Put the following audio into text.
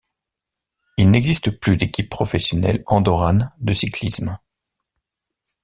Il n'existe plus d'équipe professionnelle andorrane de cyclisme.